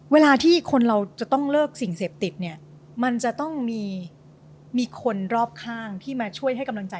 เวลาที่คนเราจะต้องเลิกสิ่งเสพติดเนี่ยมันจะต้องมีคนรอบข้างที่มาช่วยให้กำลังใจ